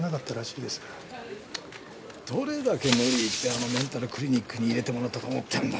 どれだけ無理言ってあのメンタルクリニックに入れてもらったと思ってんだ。